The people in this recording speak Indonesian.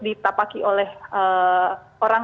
ditapaki oleh orang